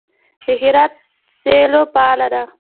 د هرات سیلو فعاله ده.